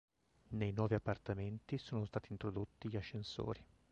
Nei nuovi appartamenti sono stati introdotti gli ascensori.